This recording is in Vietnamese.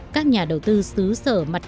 các nhà đầu tư xứ sở mặt trọng